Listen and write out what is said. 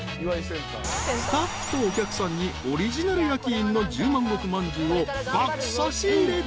［スタッフとお客さんにオリジナル焼き印の十万石まんじゅうを爆差し入れだ］